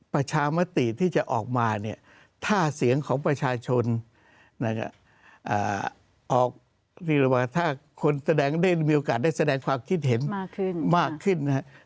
ประชามติที่จะออกมาเนี่ยถ้าเสียงของประชาชนนะครับออกเรียกว่าถ้าคนแสดงได้มีโอกาสได้แสดงความคิดเห็นมากขึ้นมากขึ้นนะครับ